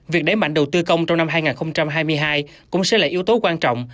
việc đẩy mạnh đầu tư công trong năm hai nghìn hai mươi hai cũng sẽ là yếu tố quan trọng